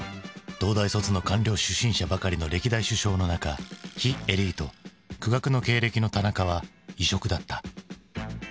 東大卒の官僚出身者ばかりの歴代首相の中非エリート苦学の経歴の田中は異色だった。